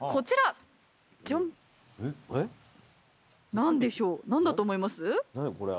何でしょう何だと思います？